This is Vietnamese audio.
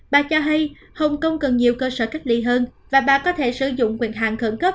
bà cho hay hồng kông cần nhiều cơ sở cách ly hơn và bà có thể sử dụng quyền hạn khẩn cấp